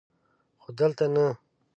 خو دلته نه!